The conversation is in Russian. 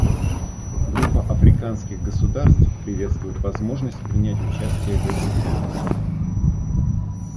Группа африканских государств приветствует возможность принять участие в этих прениях.